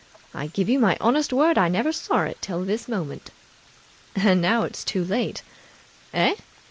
I give you my honest word I never saw it till this moment." "And now it's too late!" "Eh?"